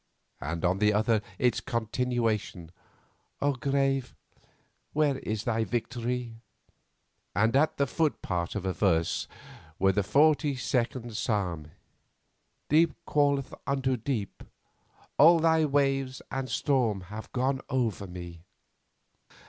and on the other its continuation, "O grave, where is thy victory?" and at the foot part of a verse from the forty second psalm: "Deep calleth unto deep. ... All Thy waves and storms have gone over me."